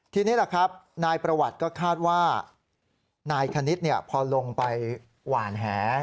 ทีนี้แหละครับนายประวัติก็คาดว่านายคณิตพอลงไปหวานแห